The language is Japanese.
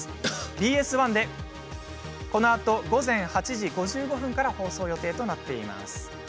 ＢＳ１で、このあと午前８時５５分からの放送予定となっています。